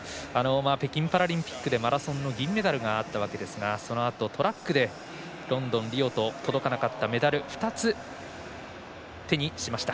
北京パラリンピックでマラソンの銀メダルがあったわけですがそのあと、トラックでロンドン、リオと届かなかったメダルを２つ手にしました。